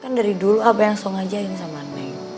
kan dari dulu abah yang selalu ngajarin sama neng